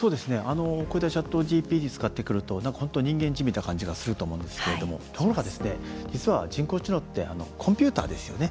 ＣｈａｔＧＰＴを使ってくると本当に人間じみた感じがすると思うんでうすけどところが、実は人工知能ってコンピューターですよね。